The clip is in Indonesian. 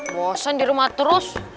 bosan di rumah terus